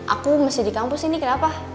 aku masih di kampus ini kenapa